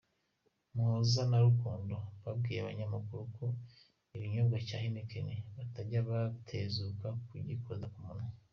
Muhoza na Rukundo babwiye abanyamakuru ko ikinyobwa cya Heineken batajya batezuka kugikoza ku munywa.